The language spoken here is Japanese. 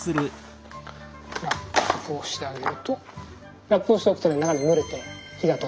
ラップをしてあげるとラップをしとくとね中で蒸れて火が通る。